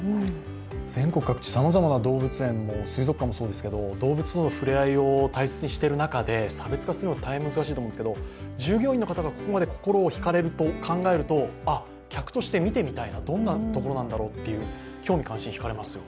全国各地、さまざまな動物園も、水族館もそうですけれども、動物との触れ合いを大切にしている中で、差別化が大変難しいと思いますけど従業員の方が、ここまで心を引かれると考えるとどんなところなんだろうと、興味関心がひかれますよ。